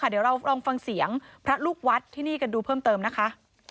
เดี๋ยวเราลองฟังเสียงพระลูกวัดที่นี่กันดูเพิ่มเติมนะคะ